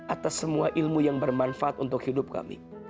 atas semua ilmu yang bermanfaat untuk hidup kami